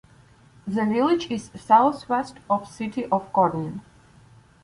The village is southwest of City of Corning.